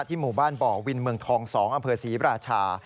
หมู่บ้านบ่อวินเมืองทอง๒อำเภอศรีราชา